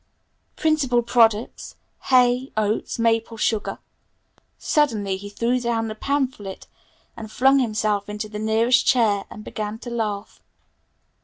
"Principal products hay, oats, maple sugar " Suddenly he threw down the pamphlet and flung himself into the nearest chair and began to laugh.